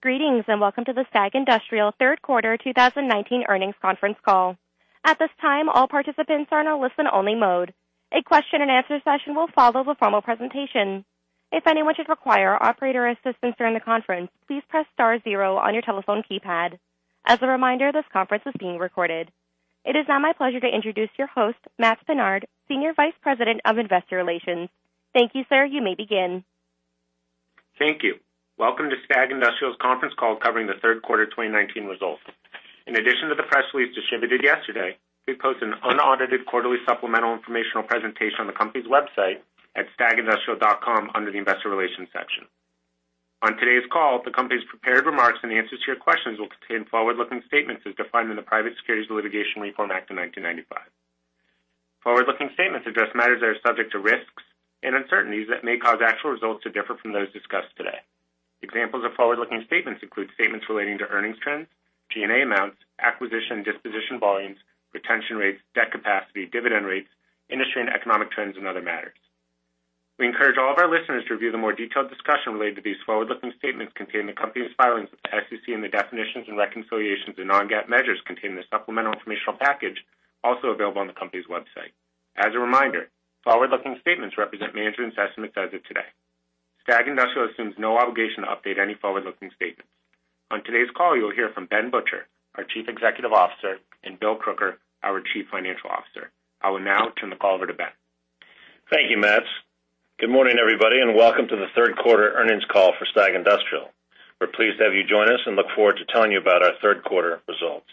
Greetings, and welcome to the STAG Industrial third quarter 2019 earnings conference call. At this time, all participants are in a listen-only mode. A question and answer session will follow the formal presentation. If anyone should require our operator assistance during the conference, please press star 0 on your telephone keypad. As a reminder, this conference is being recorded. It is now my pleasure to introduce your host, Matts Pinard, Senior Vice President of Investor Relations. Thank you, sir. You may begin. Thank you. Welcome to STAG Industrial's conference call covering the third quarter 2019 results. In addition to the press release distributed yesterday, we posted an unaudited quarterly supplemental informational presentation on the company's website at stagindustrial.com under the investor relations section. On today's call, the company's prepared remarks and answers to your questions will contain forward-looking statements as defined in the Private Securities Litigation Reform Act of 1995. Forward-looking statements address matters that are subject to risks and uncertainties that may cause actual results to differ from those discussed today. Examples of forward-looking statements include statements relating to earnings trends, G&A amounts, acquisition and disposition volumes, retention rates, debt capacity, dividend rates, industry and economic trends, and other matters. We encourage all of our listeners to review the more detailed discussion related to these forward-looking statements contained in the company's filings with the SEC and the definitions and reconciliations and non-GAAP measures contained in the supplemental informational package also available on the company's website. As a reminder, forward-looking statements represent management's estimates as of today. STAG Industrial assumes no obligation to update any forward-looking statements. On today's call, you will hear from Ben Butcher, our Chief Executive Officer, and Bill Crooker, our Chief Financial Officer. I will now turn the call over to Ben. Thank you, Matts. Good morning, everybody, and welcome to the third quarter earnings call for STAG Industrial. We're pleased to have you join us and look forward to telling you about our third quarter results.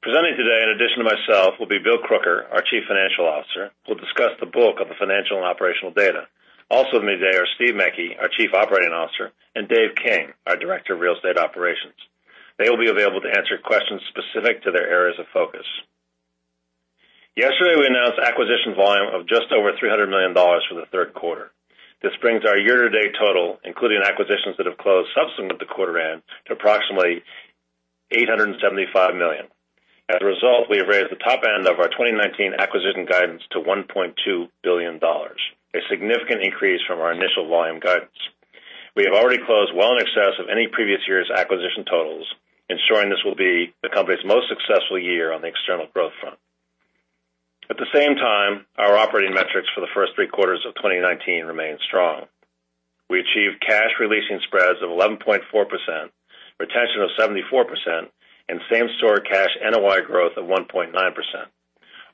Presenting today, in addition to myself, will be Bill Crooker, our Chief Financial Officer, who will discuss the bulk of the financial and operational data. Also with me today are Stephen Mecke, our Chief Operating Officer, and Dave King, our Director of Real Estate Operations. They will be available to answer questions specific to their areas of focus. Yesterday, we announced acquisition volume of just over $300 million for the third quarter. This brings our year-to-date total, including acquisitions that have closed subsequent to quarter end, to approximately $875 million. As a result, we have raised the top end of our 2019 acquisition guidance to $1.2 billion, a significant increase from our initial volume guidance. We have already closed well in excess of any previous year's acquisition totals, ensuring this will be the company's most successful year on the external growth front. At the same time, our operating metrics for the first three quarters of 2019 remain strong. We achieved cash releasing spreads of 11.4%, retention of 74%, and same-store cash NOI growth of 1.9%.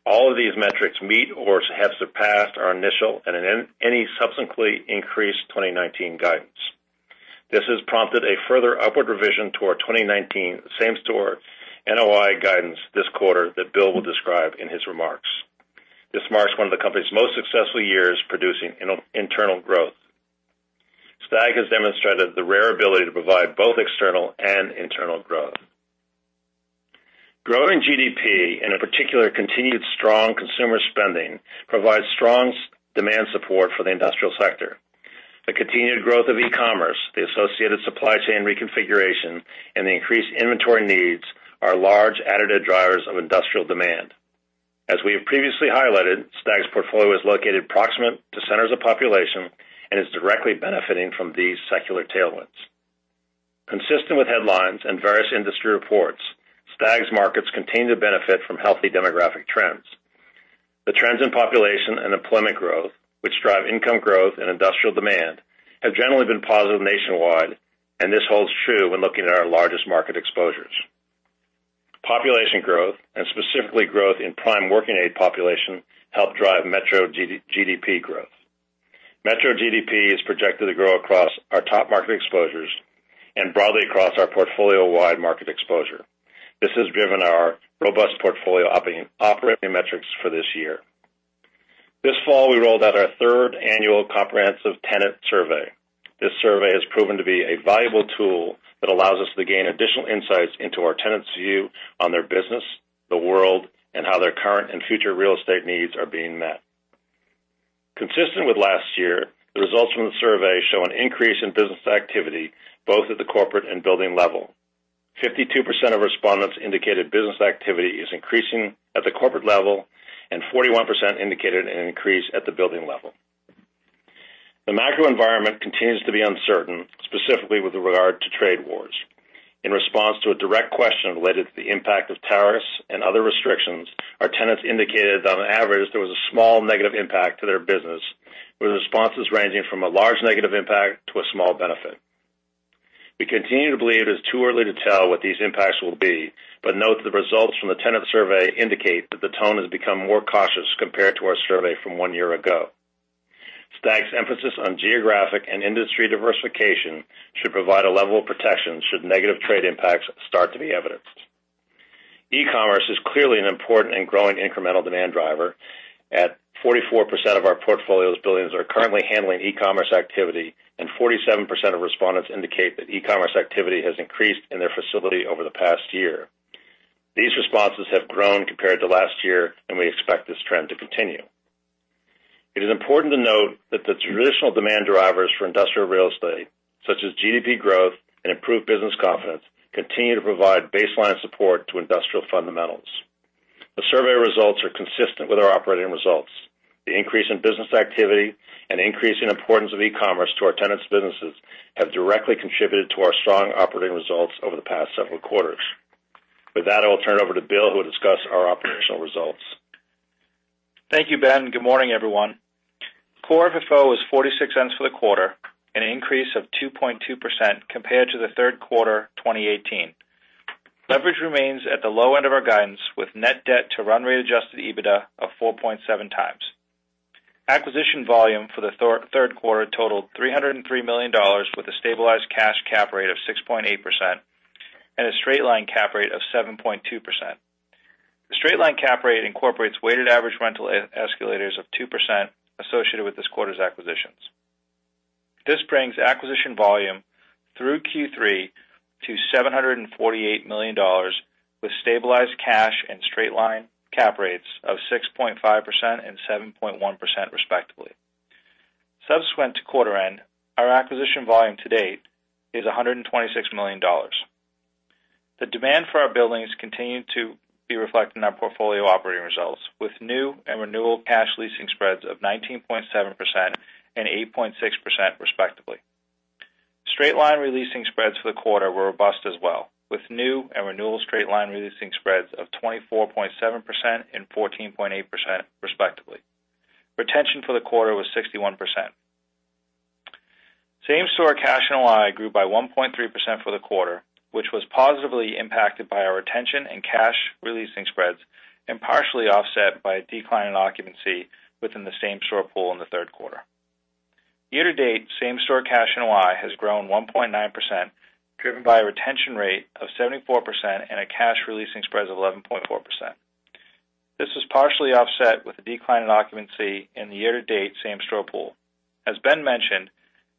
All of these metrics meet or have surpassed our initial and any subsequently increased 2019 guidance. This has prompted a further upward revision to our 2019 same-store NOI guidance this quarter that Bill will describe in his remarks. This marks one of the company's most successful years producing internal growth. STAG has demonstrated the rare ability to provide both external and internal growth. Growing GDP, and in particular, continued strong consumer spending, provides strong demand support for the industrial sector. The continued growth of e-commerce, the associated supply chain reconfiguration, and the increased inventory needs are large additive drivers of industrial demand. As we have previously highlighted, STAG's portfolio is located proximate to centers of population and is directly benefiting from these secular tailwinds. Consistent with headlines and various industry reports, STAG's markets continue to benefit from healthy demographic trends. The trends in population and employment growth, which drive income growth and industrial demand, have generally been positive nationwide, and this holds true when looking at our largest market exposures. Population growth, and specifically growth in prime working-age population, help drive metro GDP growth. Metro GDP is projected to grow across our top market exposures and broadly across our portfolio-wide market exposure. This has driven our robust portfolio operating metrics for this year. This fall, we rolled out our third annual comprehensive tenant survey. This survey has proven to be a valuable tool that allows us to gain additional insights into our tenants' view on their business, the world, and how their current and future real estate needs are being met. Consistent with last year, the results from the survey show an increase in business activity, both at the corporate and building level. 52% of respondents indicated business activity is increasing at the corporate level, and 41% indicated an increase at the building level. The macro environment continues to be uncertain, specifically with regard to trade wars. In response to a direct question related to the impact of tariffs and other restrictions, our tenants indicated that on average, there was a small negative impact to their business, with responses ranging from a large negative impact to a small benefit. We continue to believe it is too early to tell what these impacts will be but note the results from the tenant survey indicate that the tone has become more cautious compared to our survey from one year ago. STAG's emphasis on geographic and industry diversification should provide a level of protection should negative trade impacts start to be evidenced. E-commerce is clearly an important and growing incremental demand driver. At 44% of our portfolio's buildings are currently handling E-commerce activity, and 47% of respondents indicate that E-commerce activity has increased in their facility over the past year. These responses have grown compared to last year, and we expect this trend to continue. It is important to note that the traditional demand drivers for industrial real estate, such as GDP growth and improved business confidence, continue to provide baseline support to industrial fundamentals. The results are consistent with our operating results. The increase in business activity and increase in importance of e-commerce to our tenants' businesses have directly contributed to our strong operating results over the past several quarters. With that, I will turn it over to Bill, who will discuss our operational results. Thank you, Ben. Good morning, everyone. Core FFO was $0.46 for the quarter, an increase of 2.2% compared to the third quarter 2018. Leverage remains at the low end of our guidance, with net debt to run rate adjusted EBITDA of 4.7 times. Acquisition volume for the third quarter totaled $303 million, with a stabilized cash cap rate of 6.8% and a straight line cap rate of 7.2%. The straight line cap rate incorporates weighted average rental escalators of 2% associated with this quarter's acquisitions. This brings acquisition volume through Q3 to $748 million, with stabilized cash and straight line cap rates of 6.5% and 7.1%, respectively. Subsequent to quarter end, our acquisition volume to date is $126 million. The demand for our buildings continued to be reflected in our portfolio operating results, with new and renewal cash leasing spreads of 19.7% and 8.6%, respectively. Straight line re-leasing spreads for the quarter were robust as well, with new and renewal straight line re-leasing spreads of 24.7% and 14.8%, respectively. Retention for the quarter was 61%. Same store cash NOI grew by 1.3% for the quarter, which was positively impacted by our retention and cash re-leasing spreads and partially offset by a decline in occupancy within the same store pool in the third quarter. Year to date, same store cash NOI has grown 1.9%, driven by a retention rate of 74% and a cash re-leasing spread of 11.4%. This was partially offset with a decline in occupancy in the year to date same store pool. As Ben mentioned,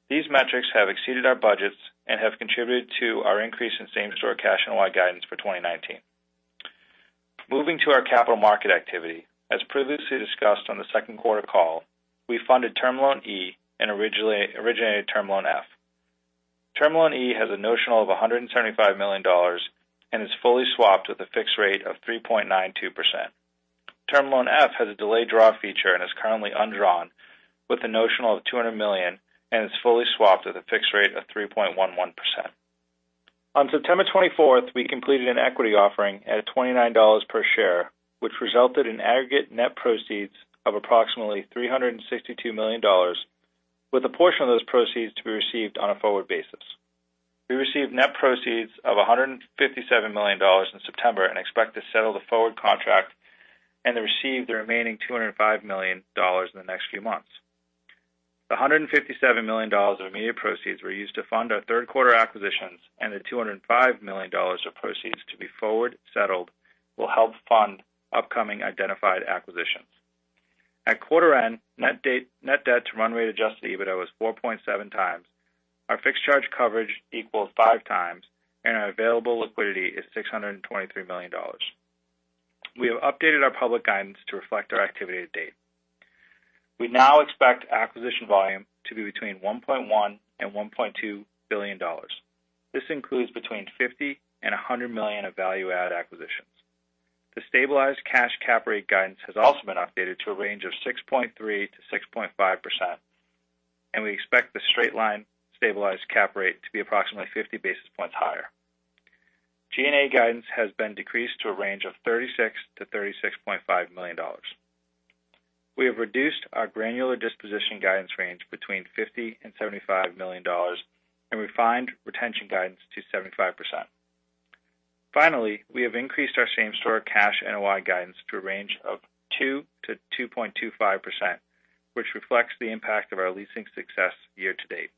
these metrics have exceeded our budgets and have contributed to our increase in same store cash NOI guidance for 2019. Moving to our capital market activity. As previously discussed on the second quarter call, we funded term loan E and originated term loan F. Term loan E has a notional of $175 million and is fully swapped with a fixed rate of 3.92%. Term loan F has a delayed draw feature and is currently undrawn with a notional of $200 million and is fully swapped at a fixed rate of 3.11%. On September 24th, we completed an equity offering at $29 per share, which resulted in aggregate net proceeds of approximately $362 million, with a portion of those proceeds to be received on a forward basis. We received net proceeds of $157 million in September and expect to settle the forward contract and then receive the remaining $205 million in the next few months. The $157 million of immediate proceeds were used to fund our third quarter acquisitions, and the $205 million of proceeds to be forward settled will help fund upcoming identified acquisitions. At quarter end, net debt to run rate adjusted EBITDA was 4.7 times. Our fixed charge coverage equals 5 times, and our available liquidity is $623 million. We have updated our public guidance to reflect our activity to date. We now expect acquisition volume to be between $1.1 billion and $1.2 billion. This includes between $50 million and $100 million of value-add acquisitions. The stabilized cash cap rate guidance has also been updated to a range of 6.3%-6.5%, and we expect the straight line stabilized cap rate to be approximately 50 basis points higher. G&A guidance has been decreased to a range of $36 million-$36.5 million. We have reduced our granular disposition guidance range between $50 and $75 million and refined retention guidance to 75%. Finally, we have increased our same store cash NOI guidance to a range of 2%-2.25%, which reflects the impact of our leasing success year to date.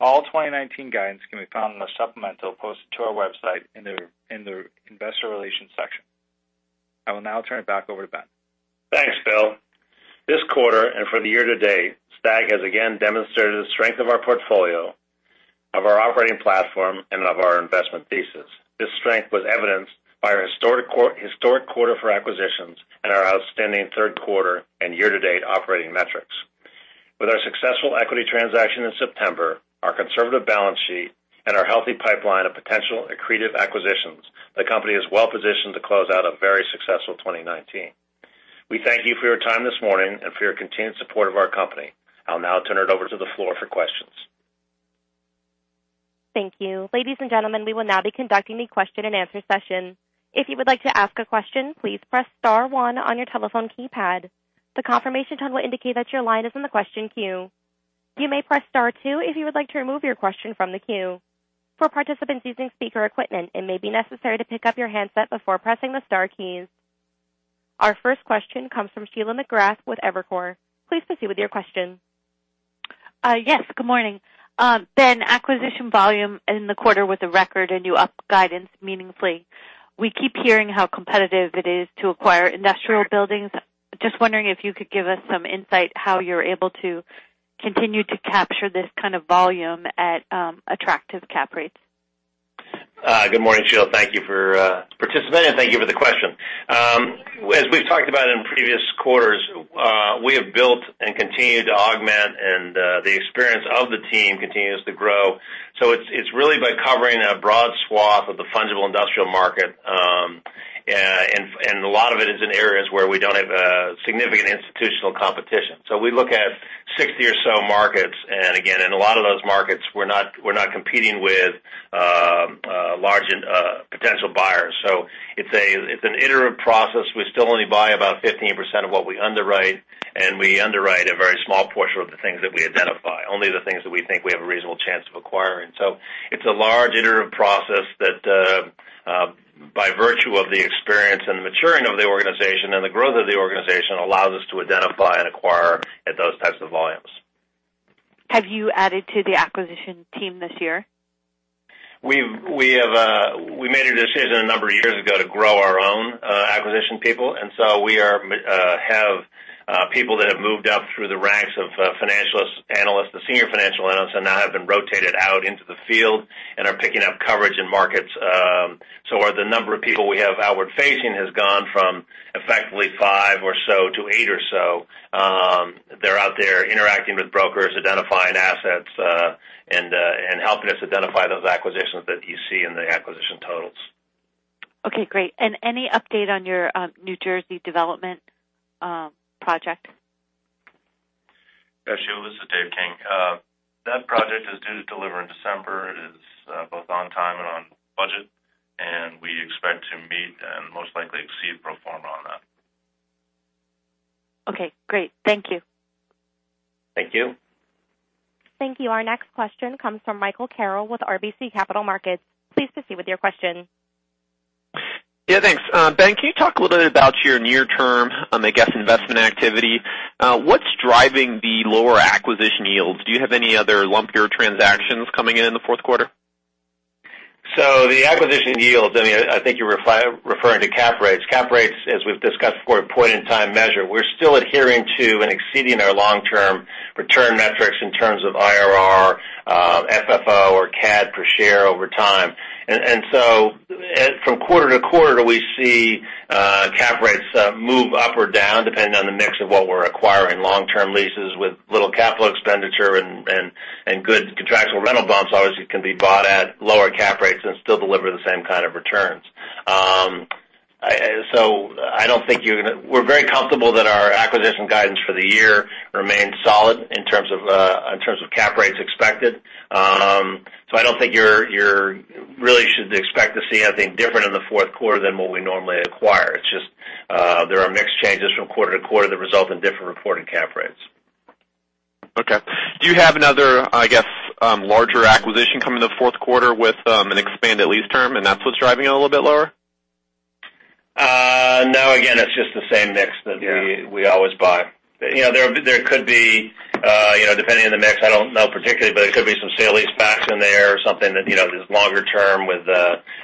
All 2019 guidance can be found in the supplemental posted to our website in the investor relations section. I will now turn it back over to Ben. Thanks, Bill. This quarter and for the year to date, STAG has again demonstrated the strength of our portfolio, of our operating platform, and of our investment thesis. This strength was evidenced by our historic quarter for acquisitions and our outstanding third quarter and year to date operating metrics. With our successful equity transaction in September, our conservative balance sheet, and our healthy pipeline of potential accretive acquisitions, the company is well positioned to close out a very successful 2019. We thank you for your time this morning and for your continued support of our company. I'll now turn it over to the floor for questions. Thank you. Ladies and gentlemen, we will now be conducting the question and answer session. If you would like to ask a question, please press star one on your telephone keypad. The confirmation tone will indicate that your line is in the question queue. You may press star two if you would like to remove your question from the queue. For participants using speaker equipment, it may be necessary to pick up your handset before pressing the star keys. Our first question comes from Sheila McGrath with Evercore. Please proceed with your question. Yes, good morning. Ben, acquisition volume in the quarter was a record, and you upped guidance meaningfully. We keep hearing how competitive it is to acquire industrial buildings. Just wondering if you could give us some insight how you're able to continue to capture this kind of volume at attractive cap rates? Good morning, Sheila. Thank you for participating, and thank you for the question. As we've talked about in previous quarters, we have built and continued to augment, and the experience of the team continues to grow. It's really by covering a broad swath of the fungible industrial market, and a lot of it is in areas where we don't have significant institutional competition. We look at 60 or so markets, and again, in a lot of those markets, we're not competing with large potential buyers. It's an iterative process. We still only buy about 15% of what we underwrite, and we underwrite a very small portion of the things that we identify, only the things that we think we have a reasonable chance of acquiring. It's a large iterative process that, by virtue of the experience and maturing of the organization and the growth of the organization, allows us to identify and acquire at those types of volumes. Have you added to the acquisition team this year? We made a decision a number of years ago to grow our own acquisition people, and so we have people that have moved up through the ranks of financial analysts to senior financial analysts, and now have been rotated out into the field and are picking up coverage in markets. The number of people we have outward facing has gone from effectively five or so to eight or so. They're out there interacting with brokers, identifying assets, and helping us identify those acquisitions that you see in the acquisition totals. Okay, great. Any update on your New Jersey development project? Yeah, Sheila, this is David King. That project is due to deliver in December. It is both on time and on budget. We expect to meet and most likely exceed pro forma on that. Okay, great. Thank you. Thank you. Thank you. Our next question comes from Michael Carroll with RBC Capital Markets. Please proceed with your question. Yeah, thanks. Ben, can you talk a little bit about your near-term, I guess, investment activity? What's driving the lower acquisition yields? Do you have any other lumpier transactions coming in in the fourth quarter? The acquisition yields, I think you were referring to cap rates. Cap rates, as we've discussed before, a point-in-time measure. We're still adhering to and exceeding our long-term return metrics in terms of IRR, FFO, or CAD per share over time. From quarter to quarter, we see cap rates move up or down, depending on the mix of what we're acquiring. Long-term leases with little capital expenditure and good contractual rental bumps obviously can be bought at lower cap rates and still deliver the same kind of returns. We're very comfortable that our acquisition guidance for the year remains solid in terms of cap rates expected. I don't think you really should expect to see anything different in the fourth quarter than what we normally acquire. It's just there are mix changes from quarter to quarter that result in different reported cap rates. Okay. Do you have another, I guess, larger acquisition coming in the fourth quarter with an expanded lease term, and that's what's driving it a little bit lower? No. Again, it's just the same mix that we always buy. There could be, depending on the mix, I don't know particularly, but there could be some sale leasebacks in there or something that is longer term with,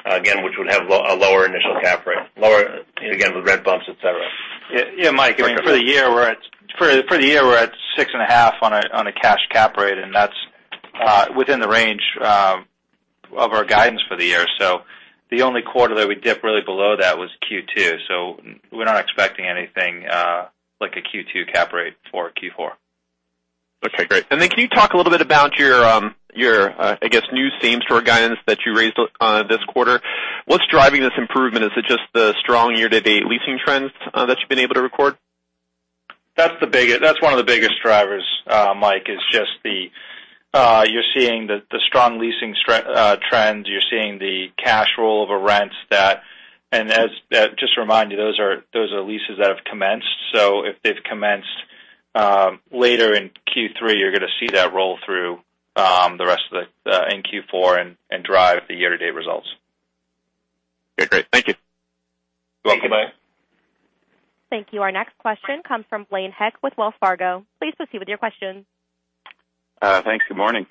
again, which would have a lower initial cap rate. Lower, again, with rent bumps, et cetera. Yeah, Michael, for the year, we're at 6.5 on a cash cap rate, and that's within the range of our guidance for the year. The only quarter that we dip really below that was Q2. We're not expecting anything like a Q2 cap rate for Q4. Okay, great. Can you talk a little bit about your, I guess, new same-store guidance that you raised this quarter? What's driving this improvement? Is it just the strong year-to-date leasing trends that you've been able to record? That's one of the biggest drivers, Mike. It's just you're seeing the strong leasing trends. You're seeing the cash roll of rents. Just to remind you, those are leases that have commenced. If they've commenced later in Q3, you're going to see that roll through the rest in Q4 and drive the year-to-date results. Okay, great. Thank you. You're welcome. Thank you, Mike. Thank you. Our next question comes from Blaine Heck with Wells Fargo. Please proceed with your question. Thanks. Good morning.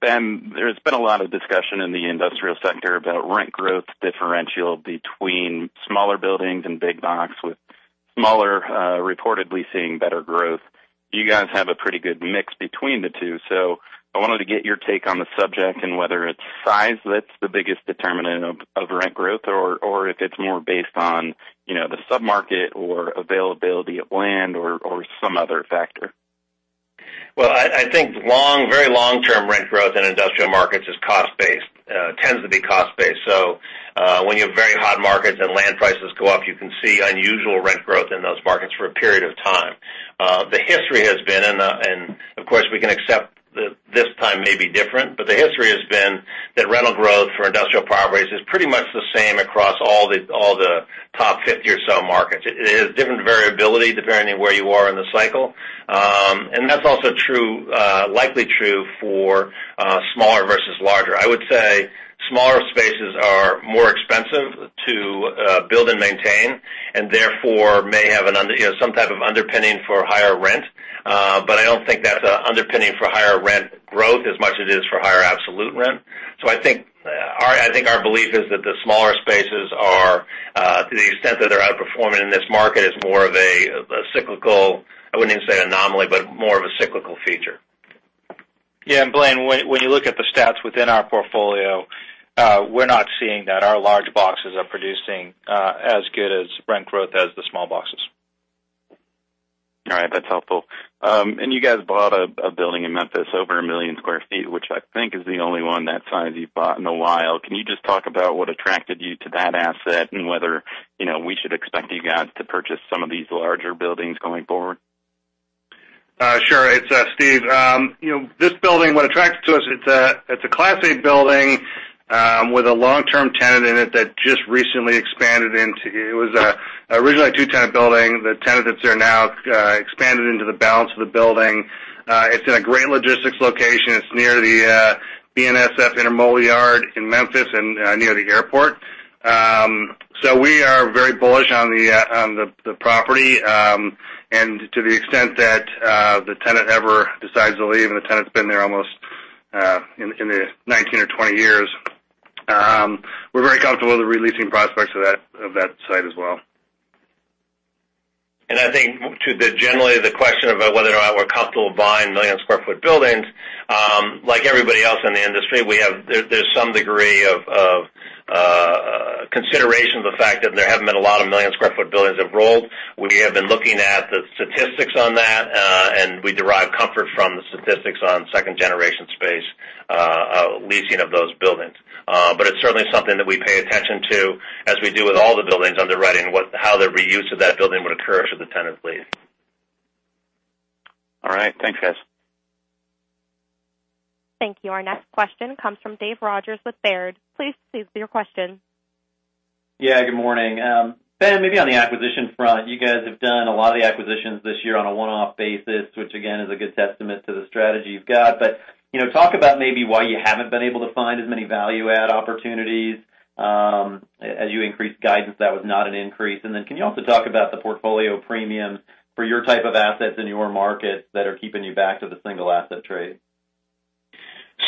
Ben, there's been a lot of discussion in the industrial sector about rent growth differential between smaller buildings and big box, with smaller reportedly seeing better growth. You guys have a pretty good mix between the two, so I wanted to get your take on the subject and whether it's size that's the biggest determinant of rent growth or if it's more based on the sub-market or availability of land or some other factor. I think very long-term rent growth in industrial markets is cost-based, tends to be cost-based. When you have very hot markets and land prices go up, you can see unusual rent growth in those markets for a period of time. The history has been, of course, we can accept that this time may be different, the history has been that rental growth for industrial properties is pretty much the same across all the top 50 or so markets. It has different variability depending on where you are in the cycle. That's also likely true for smaller versus larger. I would say smaller spaces are more expensive to build and maintain, therefore may have some type of underpinning for higher rent. I don't think that's an underpinning for higher rent growth as much as it is for higher absolute rent. I think our belief is that the smaller spaces are, to the extent that they're outperforming in this market, is more of a cyclical, I wouldn't even say an anomaly, but more of a cyclical feature. Yeah. Blaine, when you look at the stats within our portfolio, we're not seeing that. Our large boxes are producing as good as rent growth as the small boxes. Right. That's helpful. You guys bought a building in Memphis over 1 million sq ft, which I think is the only one that size you've bought in a while. Can you just talk about what attracted you to that asset and whether we should expect you guys to purchase some of these larger buildings going forward? Sure. It's Steve. This building, what attracts to us, it's a classic building, with a long-term tenant in it that just recently expanded into. It was originally a two-tenant building. The tenant that's there now expanded into the balance of the building. It's in a great logistics location. It's near the BNSF Intermodal Yard in Memphis and near the airport. We are very bullish on the property, and to the extent that the tenant ever decides to leave, and the tenant's been there almost 19 or 20 years. We're very comfortable with the releasing prospects of that site as well. I think to the generally the question about whether or not we're comfortable buying 1 million-square-foot buildings, like everybody else in the industry, there's some degree of consideration of the fact that there haven't been a lot of 1 million-square-foot buildings have rolled. We have been looking at the statistics on that, and we derive comfort from the statistics on second-generation space leasing of those buildings. It's certainly something that we pay attention to as we do with all the buildings underwriting how the reuse of that building would occur should the tenant leave. All right. Thanks, guys. Thank you. Our next question comes from David Rogers with Baird. Please proceed with your question. Yeah, good morning. Ben, maybe on the acquisition front, you guys have done a lot of the acquisitions this year on a one-off basis, which again is a good testament to the strategy you've got. Talk about maybe why you haven't been able to find as many value-add opportunities, as you increased guidance, that was not an increase. Can you also talk about the portfolio premium for your type of assets in your markets that are keeping you back to the single asset trade?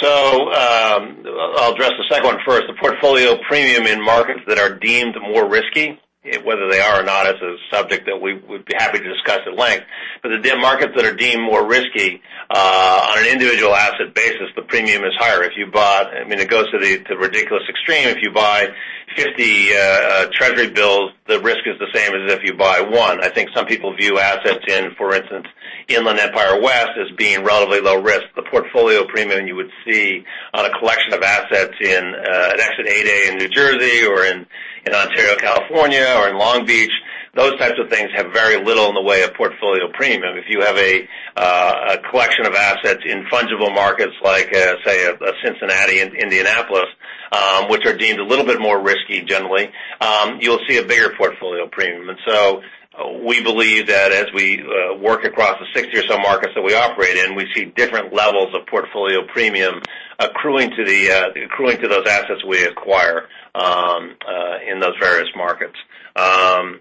I'll address the second one first. The portfolio premium in markets that are deemed more risky, whether they are or not, is a subject that we would be happy to discuss at length. The markets that are deemed more risky, on an individual asset basis, the premium is higher. I mean, it goes to the ridiculous extreme. If you buy 50 treasury bills, the risk is the same as if you buy one. I think some people view assets in, for instance, Inland Empire West as being relatively low risk. The portfolio premium you would see on a collection of assets in an Exit 8A in New Jersey or in Ontario, California, or in Long Beach. Those types of things have very little in the way of portfolio premium. If you have a collection of assets in fungible markets like, say, Cincinnati and Indianapolis, which are deemed a little bit more risky generally, you'll see a bigger portfolio premium. We believe that as we work across the 60 or so markets that we operate in, we see different levels of portfolio premium accruing to those assets we acquire in those various markets. I'm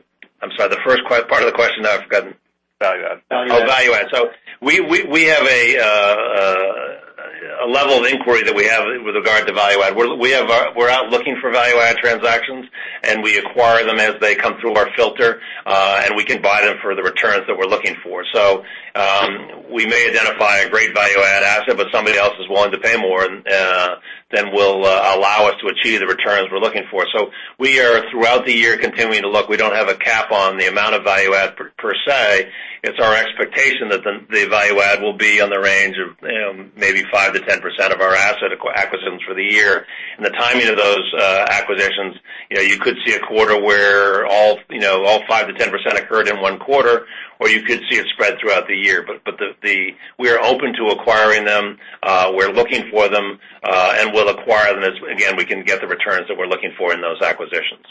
sorry. The first part of the question now I've forgotten. Value add. Oh, value-add. We have a level of inquiry that we have with regard to value-add. We're out looking for value-add transactions, and we acquire them as they come through our filter, and we can buy them for the returns that we're looking for. We may identify a great value-add asset, but somebody else is willing to pay more than will allow us to achieve the returns we're looking for. We are, throughout the year, continuing to look. We don't have a cap on the amount of value-add per se. It's our expectation that the value-add will be on the range of maybe 5% to 10% of our asset acquisitions for the year. The timing of those acquisitions, you could see a quarter where all 5% to 10% occurred in one quarter, or you could see it spread throughout the year. We are open to acquiring them. We're looking for them. We'll acquire them as, again, we can get the returns that we're looking for in those acquisitions.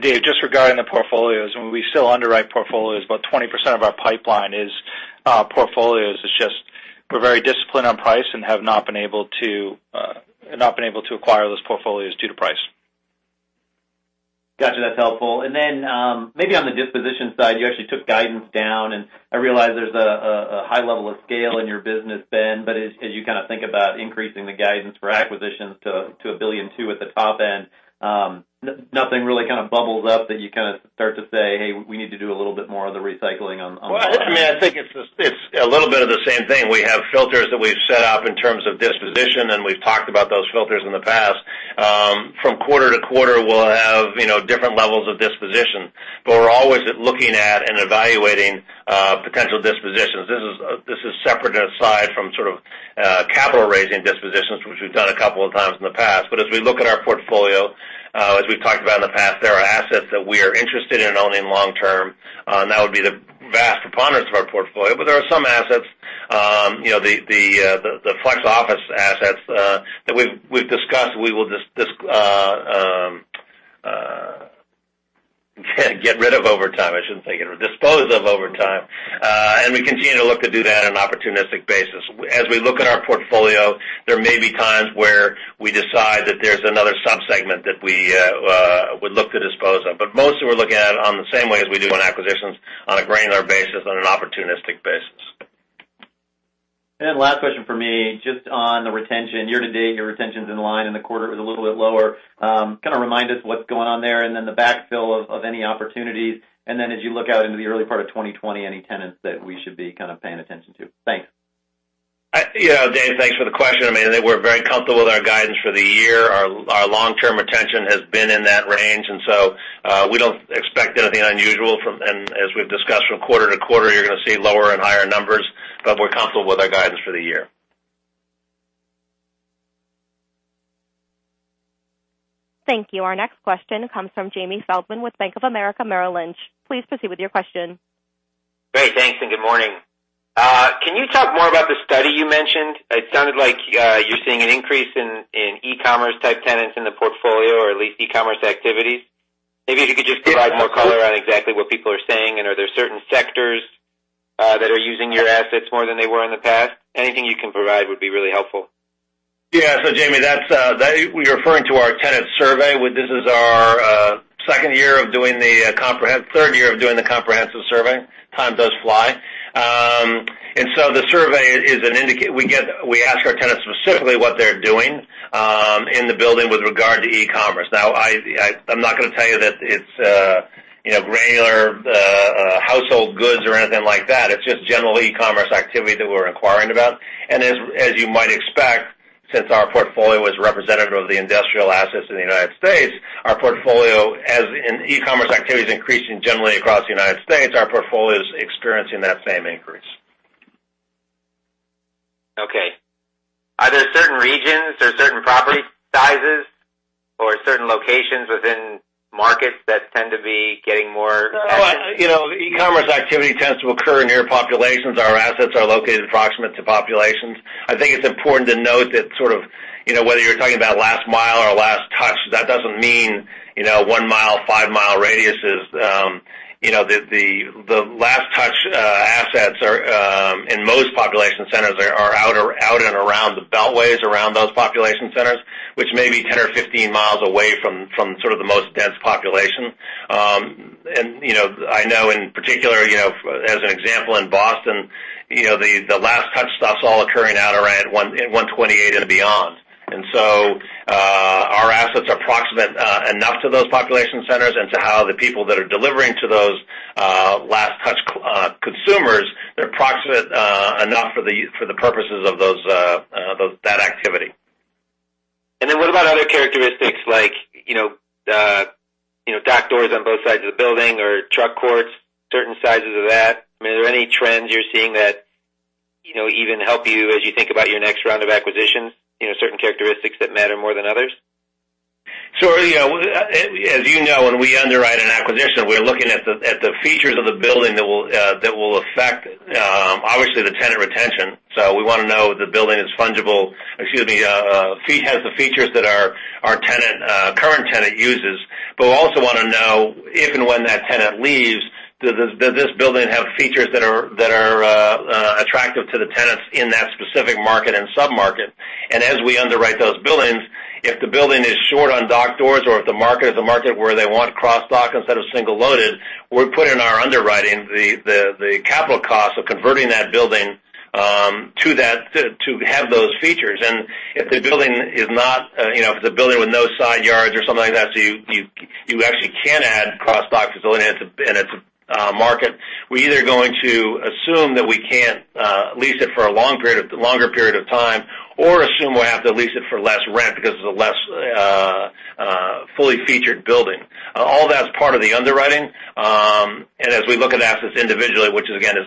Dave, just regarding the portfolios, when we still underwrite portfolios, about 20% of our pipeline is portfolios. It's just we're very disciplined on price and have not been able to acquire those portfolios due to price. Got you. That's helpful. Then, maybe on the disposition side, you actually took guidance down, and I realize there's a high level of scale in your business, Ben. As you kind of think about increasing the guidance for acquisitions to $1.2 billion at the top end, nothing really kind of bubbles up that you kind of start to say, "Hey, we need to do a little bit more of the recycling on the bottom end? Well, I think it's a little bit of the same thing. We have filters that we've set up in terms of disposition, and we've talked about those filters in the past. From quarter to quarter, we'll have different levels of disposition, but we're always looking at and evaluating potential dispositions. This is separate and aside from sort of capital-raising dispositions, which we've done a couple of times in the past. As we look at our portfolio, as we've talked about in the past, there are assets that we are interested in owning long-term, and that would be the vast preponderance of our portfolio. There are some assets, the flex office assets, that we've discussed, we will get rid of over time, I shouldn't say. Dispose of over time. We continue to look to do that on an opportunistic basis. As we look at our portfolio, there may be times where we decide that there's another sub-segment that we would look to dispose of. Mostly, we're looking at it on the same way as we do on acquisitions, on a granular basis, on an opportunistic basis. Last question from me, just on the retention. Year-to-date, your retention's in line, and the quarter is a little bit lower. Kind of remind us what's going on there, and then the backfill of any opportunities. Then as you look out into the early part of 2020, any tenants that we should be kind of paying attention to? Thanks. Dave, thanks for the question. I mean, I think we're very comfortable with our guidance for the year. Our long-term retention has been in that range, and so we don't expect anything unusual. As we've discussed from quarter to quarter, you're going to see lower and higher numbers, but we're comfortable with our guidance for the year. Thank you. Our next question comes from Jamie Feldman with Bank of America Merrill Lynch. Please proceed with your question. Great. Thanks, and good morning. Can you talk more about the study you mentioned? It sounded like you're seeing an increase in e-commerce type tenants in the portfolio or at least e-commerce activities. Maybe if you could just provide more color on exactly what people are saying. Are there certain sectors that are using your assets more than they were in the past? Anything you can provide would be really helpful. Yeah. Jamie, you're referring to our tenant survey. This is our third year of doing the comprehensive survey. Time does fly. The survey is an indicator. We ask our tenants specifically what they're doing in the building with regard to e-commerce. Now, I'm not going to tell you that it's regular household goods or anything like that. It's just general e-commerce activity that we're inquiring about. As you might expect, since our portfolio is representative of the industrial assets in the U.S., our portfolio, as in e-commerce activity, is increasing generally across the U.S. Our portfolio is experiencing that same increase. Okay. Are there certain regions or certain property sizes or certain locations within markets that tend to be getting more? E-commerce activity tends to occur near populations. Our assets are located approximate to populations. I think it's important to note that sort of whether you're talking about last mile or last touch, that doesn't mean one mile, five-mile radiuses. The last touch assets are in most population centers are out and around the beltways around those population centers, which may be 10 or 15 miles away from sort of the most dense population. I know in particular, as an example, in Boston, the last touch stuff's all occurring out around 128 and beyond. Our assets are proximate enough to those population centers and to how the people that are delivering to those last-touch consumers, they're proximate enough for the purposes of that activity. Then what about other characteristics like dock doors on both sides of the building or truck courts, certain sizes of that? I mean, are there any trends you're seeing that even help you as you think about your next round of acquisitions, certain characteristics that matter more than others? As you know, when we underwrite an acquisition, we're looking at the features of the building that will affect obviously the tenant retention. We want to know the building is fungible, excuse me, has the features that our current tenant uses. We also want to know if and when that tenant leaves, does this building have features that are attractive to the tenants in that specific market and sub-market? As we underwrite those buildings, if the building is short on dock doors or if the market is a market where they want cross-dock instead of single-loaded, we put in our underwriting the capital cost of converting that building to have those features. If the building with no side yards or something like that, so you actually can't add cross-dock facility and it's a market, we're either going to assume that we can't lease it for a longer period of time or assume we'll have to lease it for less rent because it's a less fully featured building. All that's part of the underwriting. As we look at assets individually, which again, is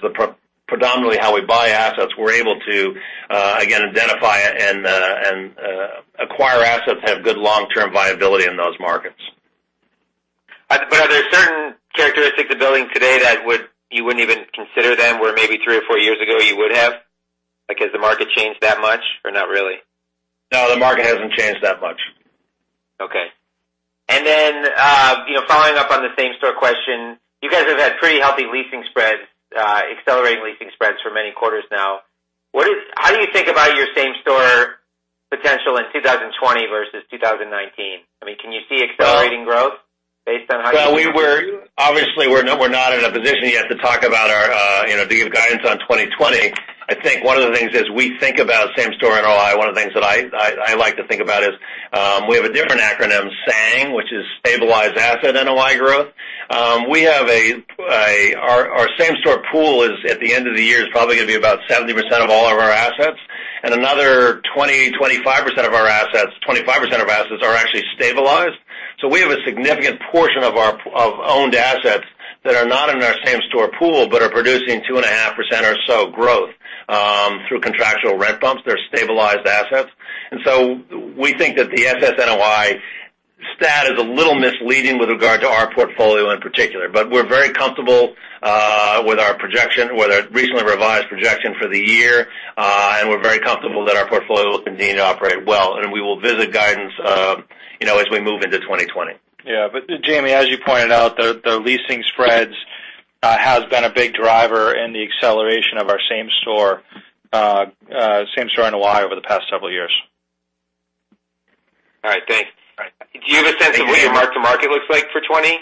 predominantly how we buy assets, we're able to, again, identify and acquire assets that have good long-term viability in those markets. Are there certain characteristics of buildings today that you wouldn't even consider them, where maybe three or four years ago you would have? Like, has the market changed that much or not really? No, the market hasn't changed that much. Okay. Following up on the same-store question, you guys have had pretty healthy leasing spreads, accelerating leasing spreads for many quarters now. How do you think about your same-store potential in 2020 versus 2019? I mean, can you see accelerating growth based on? Well, obviously, we're not in a position yet to give guidance on 2020. I think one of the things is we think about same-store NOI. One of the things that I like to think about is we have a different acronym, SANG, which is Stabilized Asset NOI Growth. Our same-store pool at the end of the year is probably going to be about 70% of all of our assets, and another 20%, 25% of our assets, 25% of our assets are actually stabilized. We have a significant portion of our owned assets that are not in our same-store pool but are producing 2.5% or so growth through contractual rent bumps. They're stabilized assets. We think that the SSNOI stat is a little misleading with regard to our portfolio in particular. We're very comfortable with our projection, with our recently revised projection for the year. We're very comfortable that our portfolio will continue to operate well, and we will visit guidance as we move into 2020. Jamie, as you pointed out, the leasing spreads has been a big driver in the acceleration of our same-store NOI over the past several years. All right. Thanks. All right. Do you have a sense of what your mark-to-market looks like for 2020?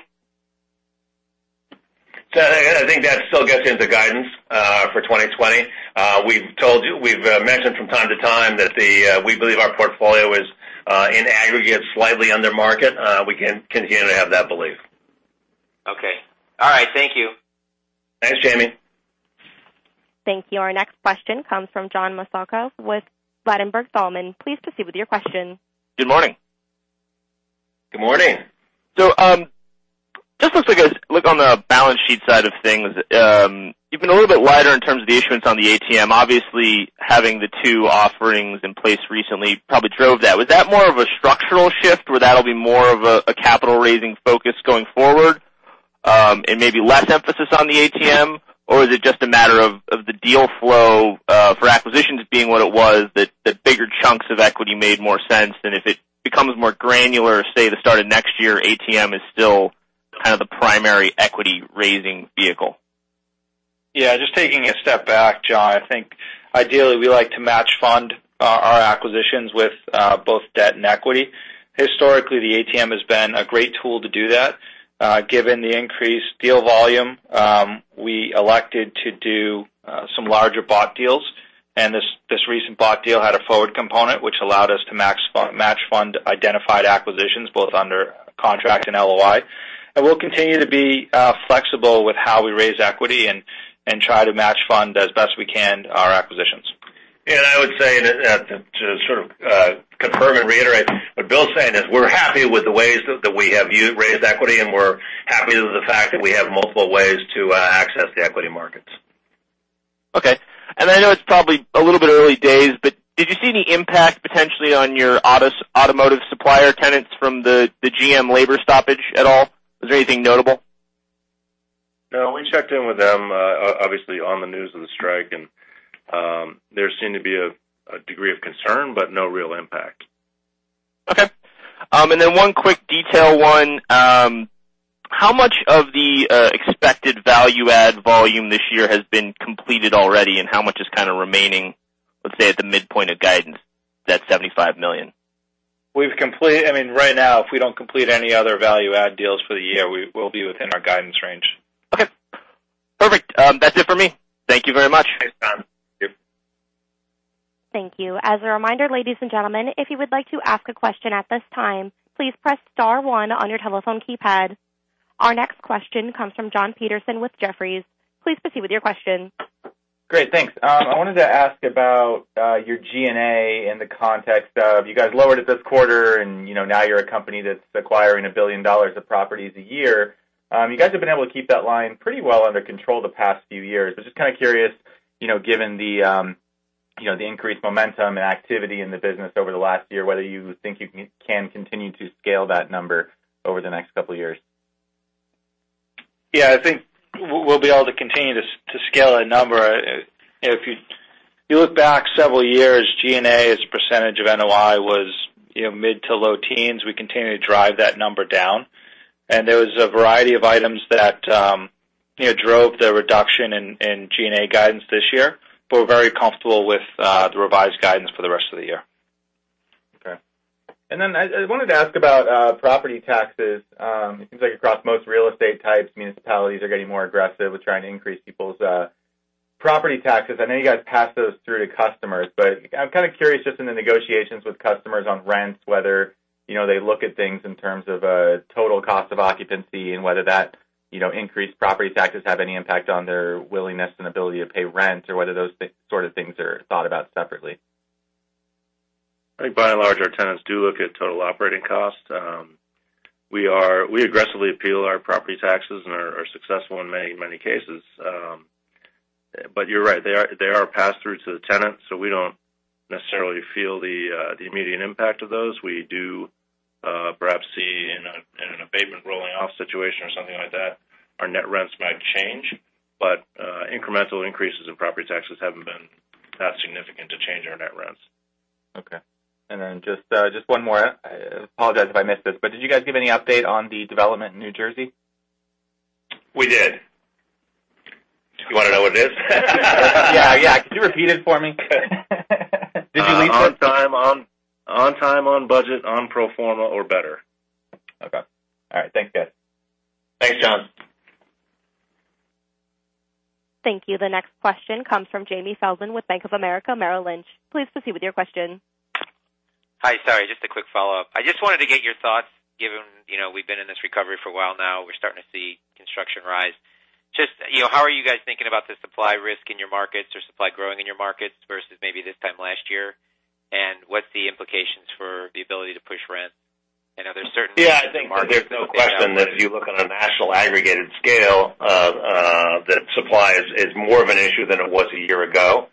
Again, I think that still gets into guidance for 2020. We've mentioned from time to time that we believe our portfolio is in aggregate slightly under market. We continue to have that belief. All right. Thank you. Thanks, Jamie. Thank you. Our next question comes from John Massocca with Ladenburg Thalmann. Please proceed with your question. Good morning. Good morning. Just look on the balance sheet side of things. You've been a little bit wider in terms of the issuance on the ATM. Obviously, having the two offerings in place recently probably drove that. Was that more of a structural shift where that'll be more of a capital-raising focus going forward, and maybe less emphasis on the ATM? Is it just a matter of the deal flow for acquisitions being what it was, that bigger chunks of equity made more sense, than if it becomes more granular, say, the start of next year, ATM is still kind of the primary equity-raising vehicle? Yeah, just taking a step back, John, I think ideally we like to match fund our acquisitions with both debt and equity. Historically, the ATM has been a great tool to do that. Given the increased deal volume, we elected to do some larger bought deals. This recent bought deal had a forward component, which allowed us to match fund identified acquisitions both under contract and LOI. We'll continue to be flexible with how we raise equity and try to match fund as best we can our acquisitions. I would say that to sort of confirm and reiterate what Bill's saying is we're happy with the ways that we have raised equity, and we're happy with the fact that we have multiple ways to access the equity markets. Okay. I know it's probably a little bit early days, but did you see any impact potentially on your automotive supplier tenants from the GM labor stoppage at all? Was there anything notable? No, we checked in with them, obviously on the news of the strike, and there seemed to be a degree of concern, but no real impact. Okay. One quick detail 1. How much of the expected value-add volume this year has been completed already, and how much is kind of remaining, let's say, at the midpoint of guidance, that $75 million? We've completed, I mean, right now, if we don't complete any other value add deals for the year, we'll be within our guidance range. Okay. Perfect. That's it for me. Thank you very much. Thanks, John. Thank you. Thank you. As a reminder, ladies and gentlemen, if you would like to ask a question at this time, please press star one on your telephone keypad. Our next question comes from Jonathan Petersen with Jefferies. Please proceed with your question. Great, thanks. I wanted to ask about your G&A in the context of you guys lowered it this quarter. Now you're a company that's acquiring $1 billion of properties a year. You guys have been able to keep that line pretty well under control the past few years. I'm just kind of curious, given the increased momentum and activity in the business over the last year, whether you think you can continue to scale that number over the next couple of years. Yeah, I think we'll be able to continue to scale that number. If you look back several years, G&A as a percentage of NOI was mid to low teens. We continue to drive that number down. There was a variety of items that drove the reduction in G&A guidance this year. We're very comfortable with the revised guidance for the rest of the year. Okay. I wanted to ask about property taxes. It seems like across most real estate types, municipalities are getting more aggressive with trying to increase people's property taxes. I know you guys pass those through to customers, but I'm kind of curious just in the negotiations with customers on rents, whether they look at things in terms of total cost of occupancy and whether that increased property taxes have any impact on their willingness and ability to pay rent, or whether those sort of things are thought about separately. I think by and large, our tenants do look at total operating costs. We aggressively appeal our property taxes and are successful in many cases. You're right, they are passed through to the tenants, we don't necessarily feel the immediate impact of those. We do perhaps see in an abatement rolling off situation or something like that, our net rents might change, incremental increases in property taxes haven't been that significant to change our net rents. Okay. Just one more. I apologize if I missed this, did you guys give any update on the development in New Jersey? We did. Do you want to know what it is? Yeah. Could you repeat it for me? Did you lease it? On time, on budget, on pro forma or better. Okay. All right. Thanks, guys. Thanks, John. Thank you. The next question comes from Jamie Feldman with Bank of America Merrill Lynch. Please proceed with your question. Hi. Sorry, just a quick follow-up. I just wanted to get your thoughts, given we've been in this recovery for a while now, we're starting to see construction rise. Just how are you guys thinking about the supply risk in your markets or supply growing in your markets versus maybe this time last year? What's the implications for the ability to push rent? Yeah, I think there's no question that if you look on a national aggregated scale, that supply is more of an issue than it was a year ago.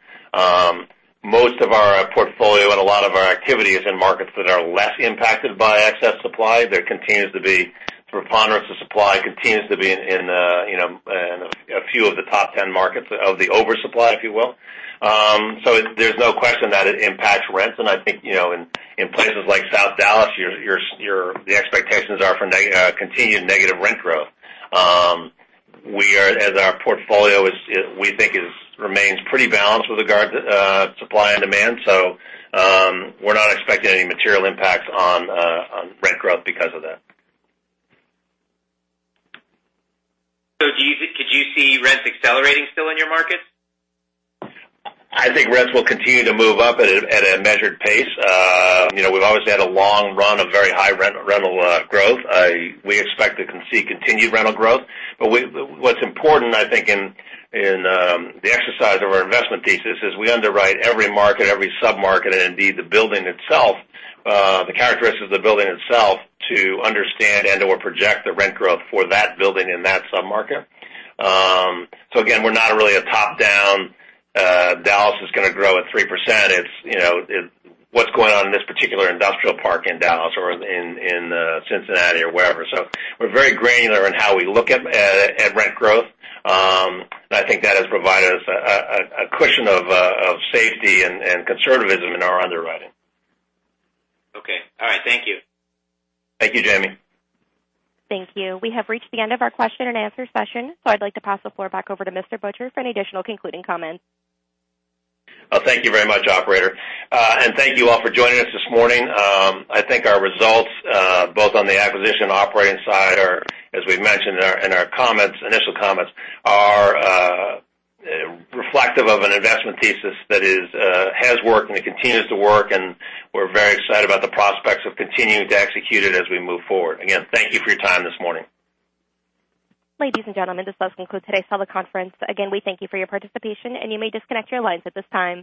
Most of our portfolio and a lot of our activity is in markets that are less impacted by excess supply. There continues to be preponderance of supply, continues to be in a few of the top 10 markets of the oversupply, if you will. There's no question that it impacts rents, and I think in places like South Dallas, the expectations are for continued negative rent growth. As our portfolio we think remains pretty balanced with regard to supply and demand, so we're not expecting any material impacts on rent growth because of that. Could you see rents accelerating still in your markets? I think rents will continue to move up at a measured pace. We've always had a long run of very high rental growth. We expect to see continued rental growth. What's important, I think, in the exercise of our investment thesis is we underwrite every market, every sub-market, and indeed the building itself, the characteristics of the building itself to understand and/or project the rent growth for that building in that sub-market. Again, we're not really a top-down, Dallas is going to grow at 3%. It's what's going on in this particular industrial park in Dallas or in Cincinnati or wherever. I think that has provided us a cushion of safety and conservatism in our underwriting. Okay. All right. Thank you. Thank you, Jamie. Thank you. We have reached the end of our question and answer session. I'd like to pass the floor back over to Mr. Butcher for any additional concluding comments. Thank you very much, operator. Thank you all for joining us this morning. I think our results, both on the acquisition operating side are, as we've mentioned in our initial comments, are reflective of an investment thesis that has worked and it continues to work, and we're very excited about the prospects of continuing to execute it as we move forward. Again, thank you for your time this morning. Ladies and gentlemen, this does conclude today's teleconference. Again, we thank you for your participation, and you may disconnect your lines at this time.